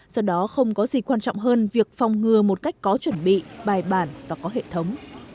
do đó không có gì quan trọng hơn việc phòng ngừa một cách có chuẩn bị bài bản và có hệ thống